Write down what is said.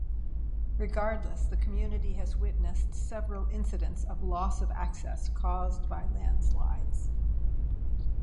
Regardless, the community has witnessed several incidents of loss of access caused by landslides.